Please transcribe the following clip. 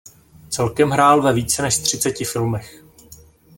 Celkem hrál ve více než třiceti filmech.